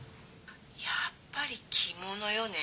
やっぱり着物よね。